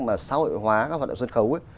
mà xã hội hóa các vận động sân khấu